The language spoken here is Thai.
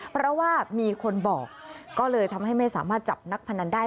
เพราะว่ามีคนบอกก็เลยทำให้ไม่สามารถจับนักพนันได้